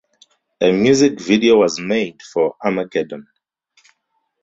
A music video was made for "Armageddon".